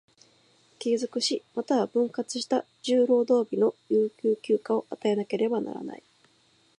継続し、又は分割した十労働日の有給休暇を与えなければならない。